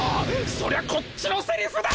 そりゃこっちのセリフだ！